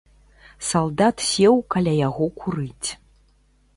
Салдат сеў каля яго курыць.